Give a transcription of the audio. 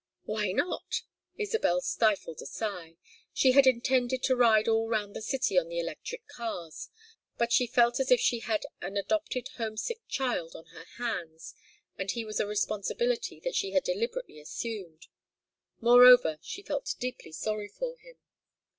"Why not?" Isabel stifled a sigh. She had intended to ride all round the city on the electric cars; but she felt as if she had an adopted homesick child on her hands, and he was a responsibility that she had deliberately assumed. Moreover, she felt deeply sorry for him.